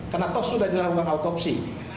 karena tos sudah dilakukan autopsi